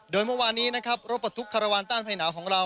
โดยเมื่อวานนี้นะครับรถประทุกคารวาลต้านภัยหนาวของเรา